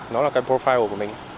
nó là cái profile của mình